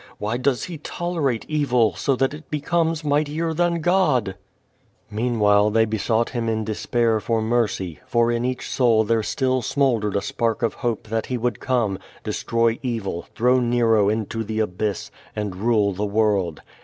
Wliy does He tolerate evil, so that it becomes mightier tlian God?" 386 OVO VADT8. Meanwhile they besought Him in despair for mercy, for in each soul there still smouldered a spark of hope that He would come, destroy evil, throw Nero into the abyss, and rule the world.